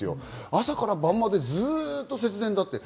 朝から晩までずっと節電だって。